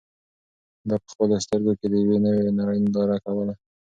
ده په خپلو سترګو کې د یوې نوې نړۍ ننداره کوله.